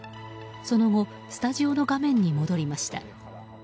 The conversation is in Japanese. その後、スタジオの画面に戻りました。